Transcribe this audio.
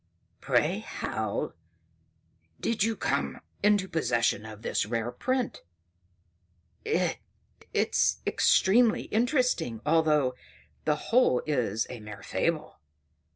"Pray how did you come into possession of this rare print? It is extremely interesting, although the whole is a mere fable.